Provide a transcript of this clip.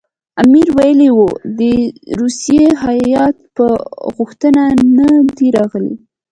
امیر ویلي وو د روسیې هیات په غوښتنه نه دی راغلی.